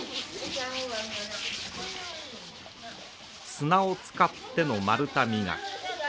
砂を使っての丸太磨き。